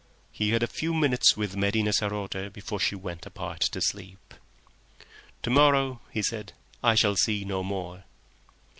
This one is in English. He had a few minutes with Medina sarote before she went apart to sleep. "To morrow," he said, "I shall see no more."